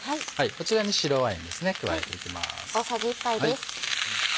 こちらに白ワイン加えていきます。